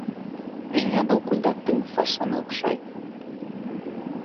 Миңә был күлдәктең фасоны оҡшай.